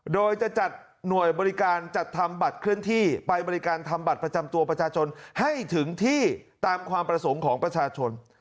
โดยจะจัดหน่วยบริการจัดทำบัตรเคลื่อนที่ไปบริการทำบัตรประจำตัวประชาชนให้ถึงที่ตามความประสงค์ของประชาชน